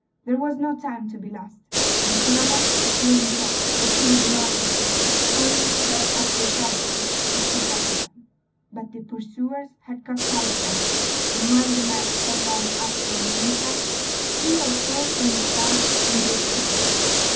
There was no time to be lost; and Philammon, assuring her that he would not desert her, hurried her up the side street which she pointed out. But the pursuers had caught sight of them, and while the mass held on up the main sight, three or four turned aside and gave chase.